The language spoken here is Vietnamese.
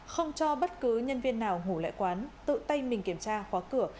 không cho bất cứ nhân viên nào ngủ lại quán tự tay mình kiểm tra khóa cửa